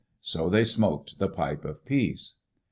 So they smoked the pipe of peace.